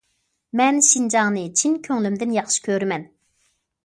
مەن شىنجاڭنى چىن كۆڭلۈمدىن ياخشى كۆرىمەن.